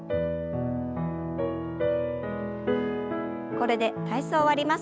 これで体操を終わります。